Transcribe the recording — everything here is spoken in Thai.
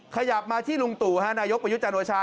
ขยับมาที่ลุงตูฮะนายทประยุฒิจันโนชา